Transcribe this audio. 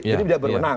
jadi dia berwenang